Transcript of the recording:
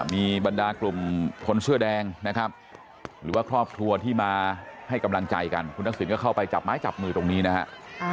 มีบรรดากลุ่มคนเสื้อแดงนะครับหรือว่าครอบครัวที่มาให้กำลังใจกันคุณทักษิณก็เข้าไปจับไม้จับมือตรงนี้นะฮะ